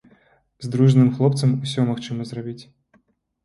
З дружным хлопцам усё магчыма зрабіць.